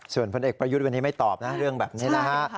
ส่วนผลเอกประยุทธ์วันนี้ไม่ตอบนะเรื่องแบบนี้นะฮะ